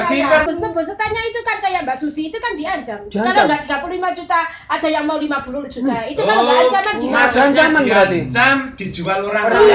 ini pak ya kita diangkat dulu